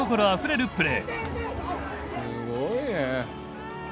すごいね。